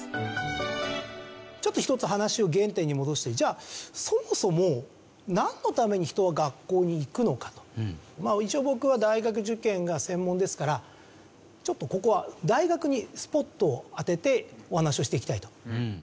ちょっと一つ話を原点に戻してじゃあそもそもまあ一応僕は大学受験が専門ですからちょっとここは大学にスポットを当ててお話をしていきたいと。